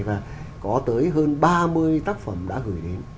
và có tới hơn ba mươi tác phẩm đã gửi đến